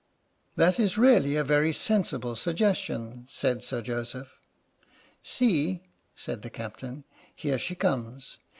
" That is really a very sensible suggestion," said Sir Joseph. " See," said the Captain, " here she comes.